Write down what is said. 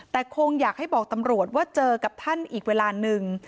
แต่คงอยากให้บอกตำรวจว่าเจอกับท่านอีกเวลานึง